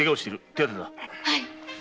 手当てだ。